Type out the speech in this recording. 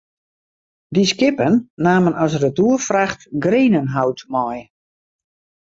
Dy skippen namen as retoerfracht grenenhout mei.